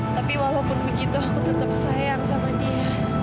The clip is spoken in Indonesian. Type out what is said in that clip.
tapi walaupun begitu aku tetap sayang sama dia